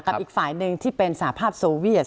แล้วกับอีกฝ่ายหนึ่งที่เป็นสาหรับโซเวียส